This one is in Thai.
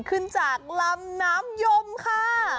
ขึ้นจากลำน้ำยมค่ะ